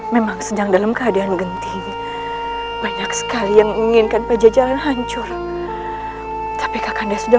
memang sedang dalam keadaan genting banyak sekali yang menginginkan pajajaran hancur tapi kanda sudah